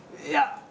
いや。